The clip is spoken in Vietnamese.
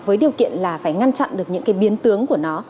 với điều kiện là phải ngăn chặn được những cái biến tướng của nó